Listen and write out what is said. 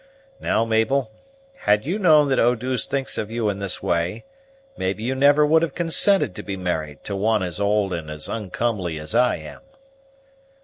Now, Mabel, had you known that Eau douce thinks of you in this way, maybe you never would have consented to be married to one as old and as uncomely as I am."